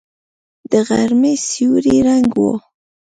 د غرمې سیوری ړنګ و.